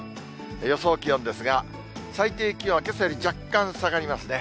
予想気温ですが、最低気温はけさより若干下がりますね。